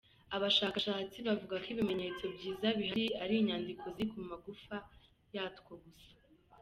Abashakashatsi bavuga ko ibimenyetso vyiza bihari ari inyandiko ziri ku magufa yatwo gusa.